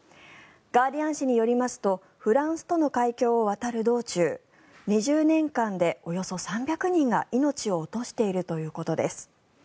ガーディアン紙によりますとフランスとの海峡を渡る道中２０年間でおよそ３００人が命を落としているということです。